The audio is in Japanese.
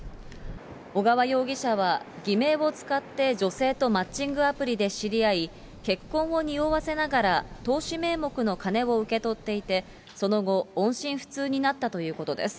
小川容疑者は偽名を使って女性とマッチングアプリで知り合い、結婚をにおわせながら投資名目の金を受け取っていて、その後、音信不通になったということです。